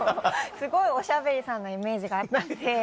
すごいおしゃべりさんなイメージがあったんで。